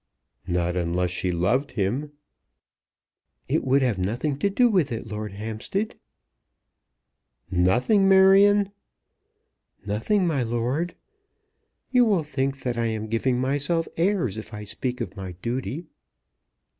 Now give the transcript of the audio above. "Not unless she loved him." "It would have nothing to do with it, Lord Hampstead." "Nothing, Marion!" "Nothing, my lord. You will think that I am giving myself airs if I speak of my duty."